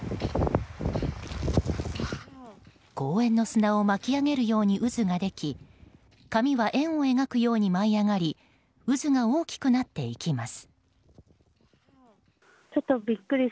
公園の砂を巻き上げるように渦を巻き紙は円を描くように舞い上がり渦が大きくなっていきます。